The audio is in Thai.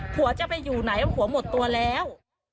ผัวจะไปอยู่ไหนว่าผัวหมดตัวแล้ว